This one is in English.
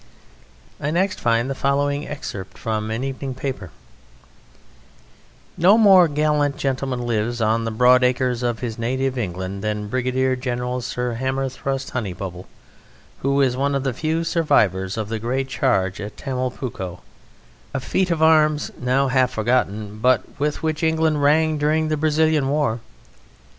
I next find the following excerpt from an evening paper: "No more gallant gentleman lives on the broad acres of his native England than Brigadier General Sir Hammerthrust Honeybubble, who is one of the few survivors of the great charge at Tamulpuco, a feat of arms now half forgotten, but with which England rang during the Brazilian War.